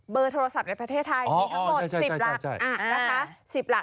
เบอร์โทรศัพท์ในประเทศไทยมีทั้งหมด๑๐หลัก